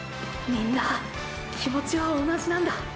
みんな気持ちは同じなんだ！